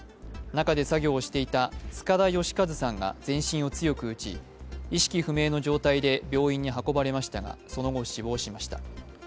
中で作業をしていた塚田吉和さんが全身を強く打ち、意識不明の状態で病院に運ばれましたがその後死亡しました。